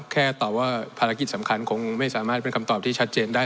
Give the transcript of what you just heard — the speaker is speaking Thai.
แค่ตอบว่าภารกิจสำคัญคงไม่สามารถเป็นคำตอบที่ชัดเจนได้